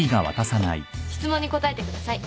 質問に答えてください。